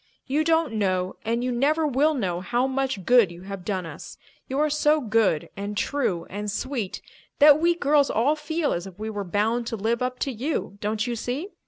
You don't know and you never will know how much good you have done us. You are so good and true and sweet that we girls all feel as if we were bound to live up to you, don't you see?